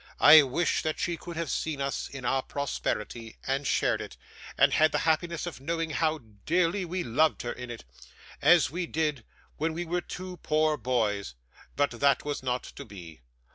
I wish that she could have seen us in our prosperity, and shared it, and had the happiness of knowing how dearly we loved her in it, as we did when we were two poor boys; but that was not to be.